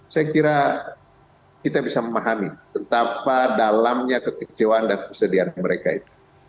saya kira kita bisa memahami betapa dalamnya kekecewaan dan kesedihan mereka itu